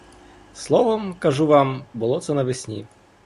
Словом, кажу вам, було це навесні.